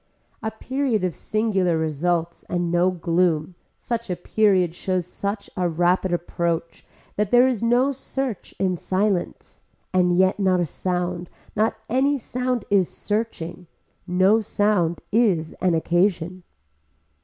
A period of singular results and no gloom such a period shows such a rapid approach that there is no search in silence and yet not a sound, not any sound is searching, no sound is an occasion.